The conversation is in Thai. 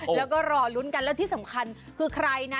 แล้วก็รอลุ้นกันแล้วที่สำคัญคือใครนะ